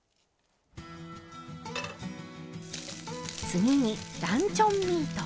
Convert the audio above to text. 次にランチョンミート。